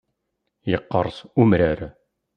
Yeqqeṛs umrar.